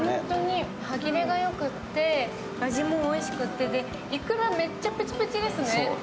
歯切れがよくて味もおいしくて、いくら、めっちゃプチプチですね。